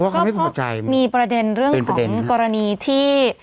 ก็พบมีประเด็นเรื่องของกรณีที่